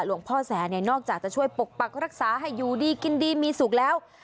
พ่อแสนเนี่ยนอกจากจะช่วยปกปักรักษาให้อยู่ดีกินดีมีสุขแล้ว